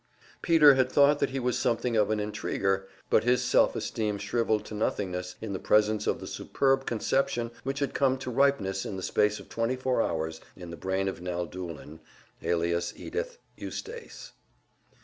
Peter had thought that he was something of an intriguer, but his self esteem shriveled to nothingness in the presence of the superb conception which had come to ripeness in the space of twenty four hours in the brain of Nell Doolin, alias Edythe Eustace.